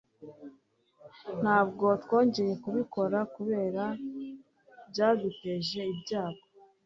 Ntabwo twongeye kubikora kubera bya duteje ibyango.